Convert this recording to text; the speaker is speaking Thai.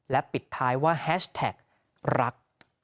ปิดท้ายว่าแฮชแท็กรัก